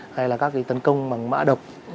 hay là các cái tấn công bằng mã độc